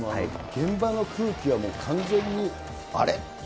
現場の空気は完全にあれ？